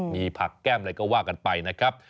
มีผักแก้มอะไรก็ว่ากันไปนะครับ